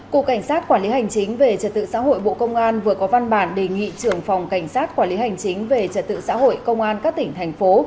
cục cảnh sát quản lý hành chính về trật tự xã hội bộ công an vừa có văn bản đề nghị trưởng phòng cảnh sát quản lý hành chính về trật tự xã hội công an các tỉnh thành phố